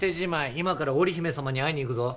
今から織姫様に会いに行くぞ。